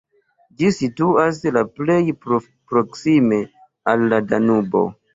Ĝi situas la plej proksime al la Danubo.